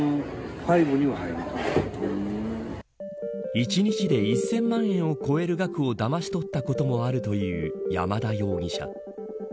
１日で１０００万円を超える額をだまし取ったこともあるという山田容疑者。